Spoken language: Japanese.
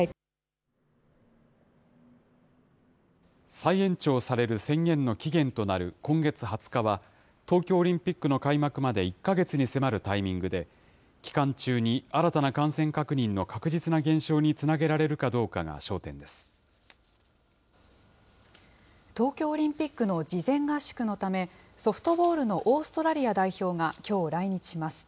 再延長される宣言の期限となる今月２０日は、東京オリンピックの開幕まで１か月に迫るタイミングで、期間中に新たな感染確認の確実な減少につなげられるかどうかが焦東京オリンピックの事前合宿のため、ソフトボールのオーストラリア代表がきょう、来日します。